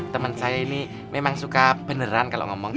temen saya ini memang suka beneran kalau ngomong